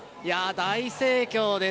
大盛況です！